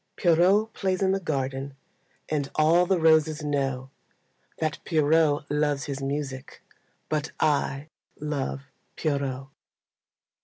Pierrot plays in the garden, And all the roses know That Pierrot loves his music, But I love Pierrot.